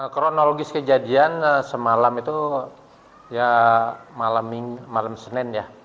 kronologis kejadian semalam itu ya malam senin ya